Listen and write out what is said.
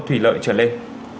thủy lợi trở lên